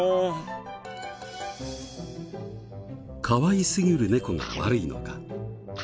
かわいすぎる猫が悪いのか？